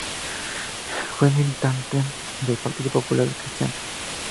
Fue militante del Partido Popular Cristiano.